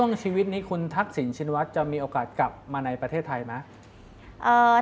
ชีวิตนี้คุณทักษิณชินวัฒน์จะมีโอกาสกลับมาในประเทศไทยไหม